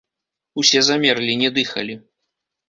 Усе замерлі, не дыхалі.